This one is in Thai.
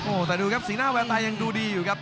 โอ้โหแต่ดูครับสีหน้าแวนไทยยังดูดีอยู่ครับ